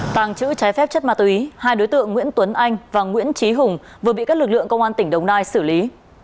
tàng trữ trái phép chất ma túy hai đối tượng nguyễn tuấn anh và nguyễn trí hùng vừa bị các lực lượng công an tỉnh đồng nai xử lý